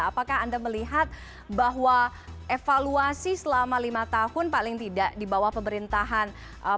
apakah anda melihat bahwa evaluasi selama lima tahun paling tidak di bawah pemerintahan